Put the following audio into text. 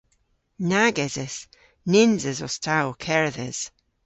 Nag eses. Nyns esos ta ow kerdhes.